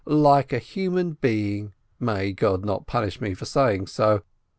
like a human being, may God not punish me for saying so